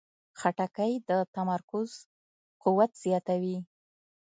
خټکی د تمرکز قوت زیاتوي.